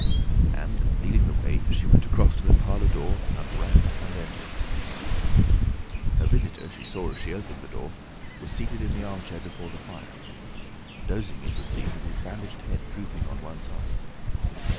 And leading the way, she went across to the parlour door and rapped and entered. Her visitor, she saw as she opened the door, was seated in the armchair before the fire, dozing it would seem, with his bandaged head drooping on one side.